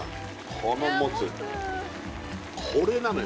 このモツこれなのよ